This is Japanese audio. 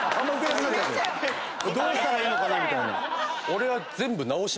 どうしたらいいのかなみたいな。俺は。